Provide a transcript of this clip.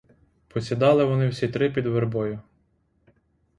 Посідали вони всі три під вербою.